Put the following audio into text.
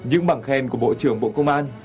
những bảng khen của bộ trưởng bộ công an